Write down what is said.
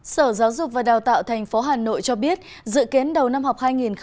sở giáo dục và đào tạo tp hà nội cho biết dự kiến đầu năm học hai nghìn hai mươi hai nghìn hai mươi một